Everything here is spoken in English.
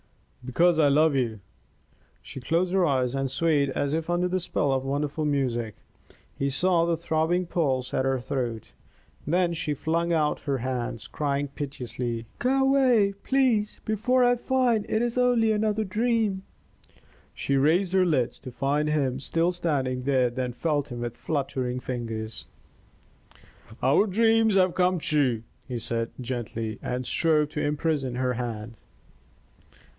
"Because I love you!" She closed her eyes and swayed as if under the spell of wonderful music; he saw the throbbing pulse at her throat. Then she flung out her hands, crying, piteously: "Go away, please, before I find it is only another dream." She raised her lids to find him still standing there then felt him with fluttering fingers. "Our dreams have come true," he said, gently, and strove to imprison her hand.